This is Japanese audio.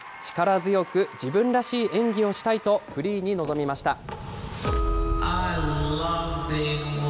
力強く、自分らしい演技をしたいと、フリーに臨みました。